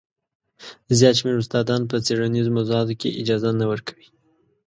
زیات شمېر استادان په څېړنیزو موضوعاتو کې اجازه نه ورکوي.